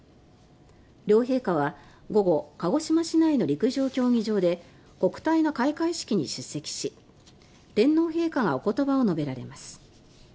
両陛下は午後鹿児島市内の陸上競技場で国体の開会式に出席し天皇陛下がお言葉を述べられます。